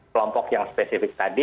kelompok yang spesifik tadi